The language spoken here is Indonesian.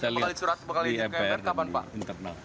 kita lihat di mpr dan di internal